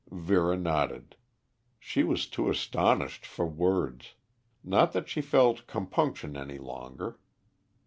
Vera nodded. She was too astonished for words; not that she felt compunction any longer.